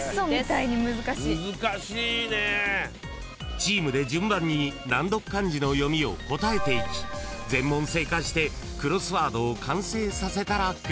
［チームで順番に難読漢字の読みを答えていき全問正解してクロスワードを完成させたらクリアです］